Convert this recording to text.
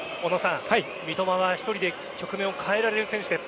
三笘は１人で局面を変えられる選手です。